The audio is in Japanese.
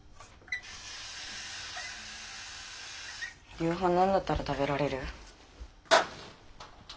夕飯何だったら食べられる？